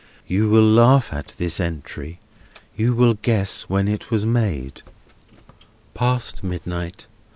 You will laugh at this entry; you will guess when it was made: "'Past midnight.